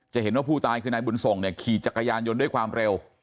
เห็นว่าผู้ตายคือนายบุญส่งเนี่ยขี่จักรยานยนต์ด้วยความเร็ว